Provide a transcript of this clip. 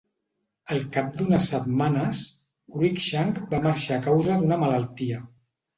Al cap d'unes setmanes, Cruikshank va marxar a causa d'una malaltia.